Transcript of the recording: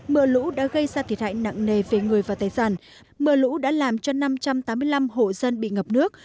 mưa lũ đã gây ra thiệt hại nặng nề về người và tài sản mưa lũ đã làm cho năm trăm tám mươi năm hộ dân bị ngập nước